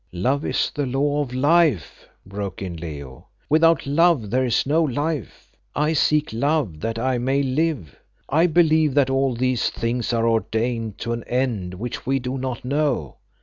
"Love is the law of life," broke in Leo; "without love there is no life. I seek love that I may live. I believe that all these things are ordained to an end which we do not know.